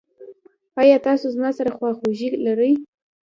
ایا تاسو زما سره خواخوږي لرئ؟